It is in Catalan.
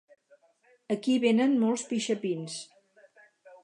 Aquí venen molts pixapins